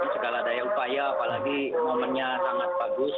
segala daya upaya apalagi momennya sangat bagus